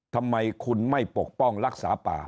ทำไมคุณไม่ปกป้องรักษาป่า